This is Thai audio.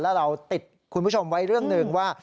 แล้วเราติดคุณผู้ชมไว้เรื่องหนึ่งว่า